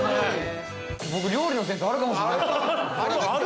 僕、料理のセンスあるかもしれない。